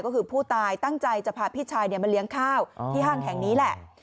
ก็คือผู้ตายตั้งใจจะพาพี่ชายมาเลี้ยงข้าวที่ห้างแห่งนี้แหละ